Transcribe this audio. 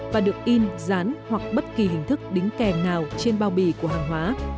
và được in rán hoặc bất kỳ hình thức đính kèm nào trên bao bì của hàng hóa